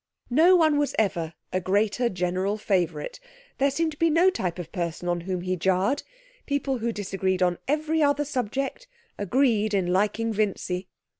No one was ever a greater general favourite. There seemed to be no type of person on whom he jarred. People who disagreed on every other subject agreed in liking Vincy.